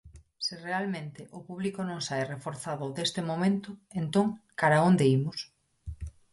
Se realmente o público non sae reforzado deste momento, entón, cara onde imos?